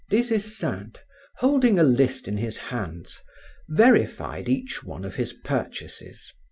Des Esseintes holding a list in his hands, verified each one of his purchases.